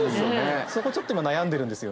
そこちょっと今悩んでるんですよね。